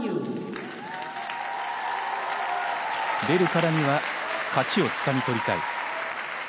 出るからには勝ちをつかみ取りたい。